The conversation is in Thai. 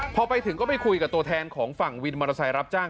พอไปถึงก็ไปคุยกับตัวแทนของฝั่งวินมอเตอร์ไซค์รับจ้าง